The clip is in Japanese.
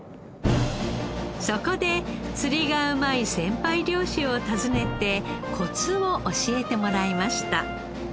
そこで釣りがうまい先輩漁師を訪ねてコツを教えてもらいました。